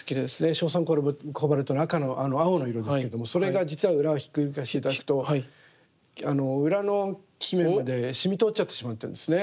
硝酸コバルトの青の色ですけれどもそれが実は裏ひっくり返して頂くと裏のきめまで染み通っちゃってしまってるんですね。